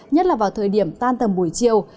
nhất là vào thời điểm tan tầm buổi chiều